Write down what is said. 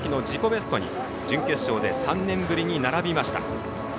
ベストに準決勝で３年ぶりに並びました。